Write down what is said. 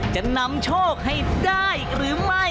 จะนำโชคให้ได้หรือไม่